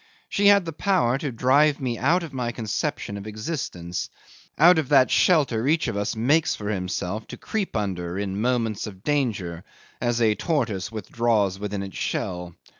It had the power to drive me out of my conception of existence, out of that shelter each of us makes for himself to creep under in moments of danger, as a tortoise withdraws within its shell.